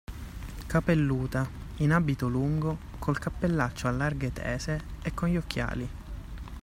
Capelluta, in abito lungo, col cappellaccio a larghe tese e con gli occhiali.